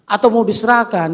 atau mau diserahkan